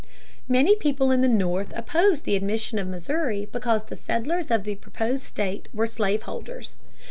Many people in the North opposed the admission of Missouri because the settlers of the proposed state were slaveholders.